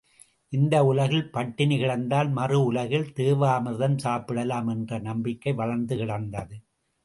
இந்த உலகில் பட்டினி கிடந்தால் மறு உலகில் தேவாமிர்தம் சாப்பிடலாம் என்ற நம்பிக்கை வளர்ந்து கிடந்தது.